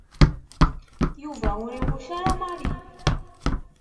Yuba ur iɣucc ara Mary.